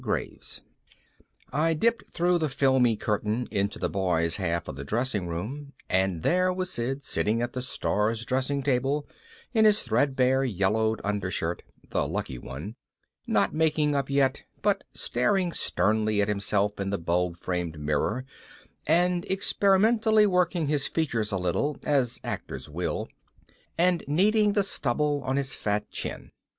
Graves I dipped through the filmy curtain into the boys' half of the dressing room and there was Sid sitting at the star's dressing table in his threadbare yellowed undershirt, the lucky one, not making up yet but staring sternly at himself in the bulb framed mirror and experimentally working his features a little, as actors will, and kneading the stubble on his fat chin.